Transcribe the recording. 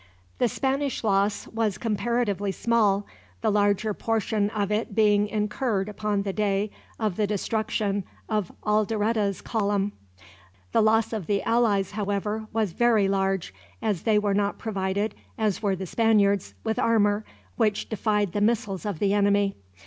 The Spanish loss was comparatively small, the larger portion of it being incurred upon the day of the destruction of Alderete's column. The loss of the allies, however, was very large; as they were not provided, as were the Spaniards, with armor which defied the missiles of the enemy.